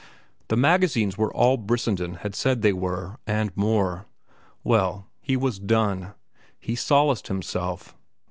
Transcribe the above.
The magazines were all Brissenden had said they were and more. Well, he was done, he solaced himself.